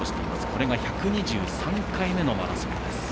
これが１２３回目のマラソンです。